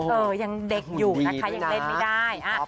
เออยังเด็กอยู่นะคะยังเล่นไม่ได้